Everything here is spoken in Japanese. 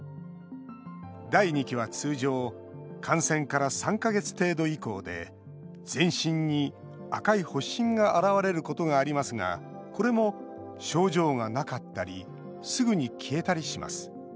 第２期は通常感染から３か月程度以降で全身に赤い発疹が現れることがありますがこれも症状がなかったりすぐに消えたりします。